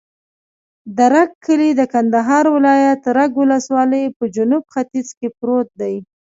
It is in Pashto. د رګ کلی د کندهار ولایت، رګ ولسوالي په جنوب ختیځ کې پروت دی.